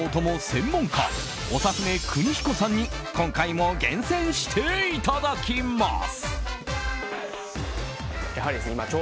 専門家長船クニヒコさんに今回も厳選していただきます。